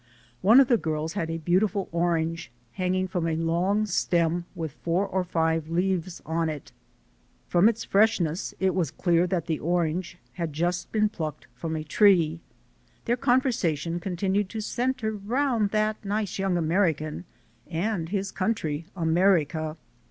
One of the girls had a beautiful orange, hanging from a long stem with four or five leaves on it. From its freshness, it was clear that the orange had just been plucked from a tree. Their conversation continued to center round "that nice young American" and his country, America.